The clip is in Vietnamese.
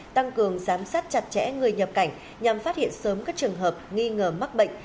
tăng cường giám sát chặt chẽ người nhập cảnh nhằm phát hiện sớm các trường hợp nghi ngờ mắc bệnh